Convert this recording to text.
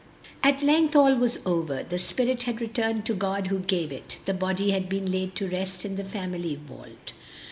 At length all was over: the spirit had returned to God who gave it, the body had been laid to rest in the family vault.